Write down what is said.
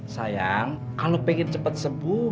sayang kalau pengen cepat sembuh